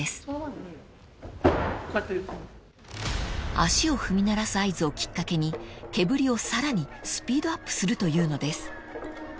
［足を踏み鳴らす合図をきっかけに毛振りをさらにスピードアップするというのです］